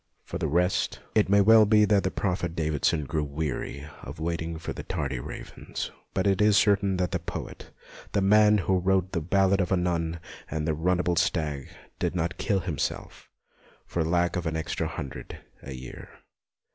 For the rest, it may well be that the prophet Davidson grew weary of waiting for the tardy ravens ; but it is certain that the poet, the man who wrote the " Ballad of a Nun " and the " Runnable Stag," did not kill him self for lack of an extra hundred a year.